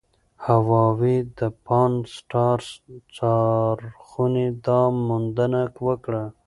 هاوايي د پان-سټارس څارخونې دا موندنه وکړه.